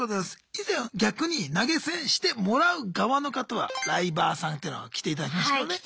以前逆に投げ銭してもらう側の方はライバーさんってのが来ていただきましたよね。